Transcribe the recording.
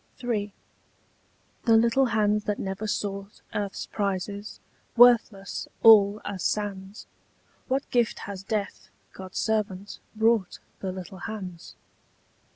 III. The little hands that never sought Earth's prizes, worthless all as sands, What gift has death, God's servant, brought The little hands?